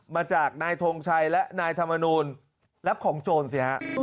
มาจากนายทงชัยและนายธรรมนูลรับของโจรสิฮะ